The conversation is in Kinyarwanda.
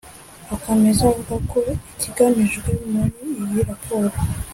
Akomeza avuga ko ikigamijwe muri iyi raporo